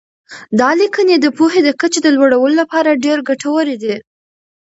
دا لیکنې د پوهې د کچې د لوړولو لپاره ډېر ګټورې دي.